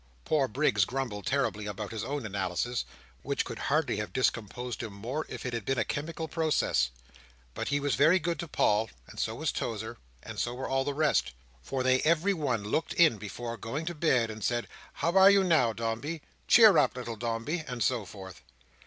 Poor Briggs grumbled terribly about his own analysis, which could hardly have discomposed him more if it had been a chemical process; but he was very good to Paul, and so was Tozer, and so were all the rest, for they every one looked in before going to bed, and said, "How are you now, Dombey?" "Cheer up, little Dombey!" and so forth.